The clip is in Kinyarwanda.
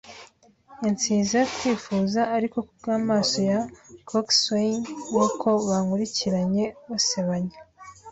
yansize kwifuza ariko kubwamaso ya coxswain nkuko bankurikiranye basebanya